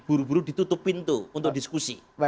buru buru ditutup pintu untuk diskusi